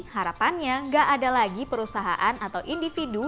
harapannya nggak ada lagi perusahaan atau individu